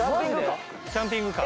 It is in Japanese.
キャンピングカー？